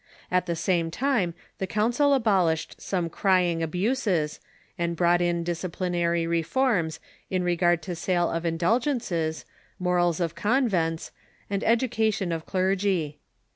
At the same time the Council abolished some cry ing abuses, and brought in disciplinary reforms in regard to sale of indulgences, morals of convents, and education of cler gy.